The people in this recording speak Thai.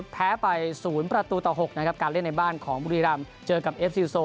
แพ้ไปศูนย์ประตูต่อหกนะครับการเล่นในบ้านของบุรีรัมป์เจอกับเอฟซีโซ